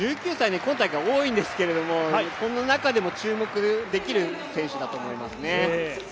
１９歳、今大会多いんですけどこの中でも注目できる選手だと思いますね。